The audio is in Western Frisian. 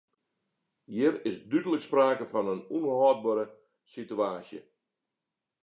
Hjir is dúdlik sprake fan in ûnhâldbere situaasje.